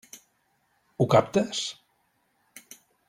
Ho captes?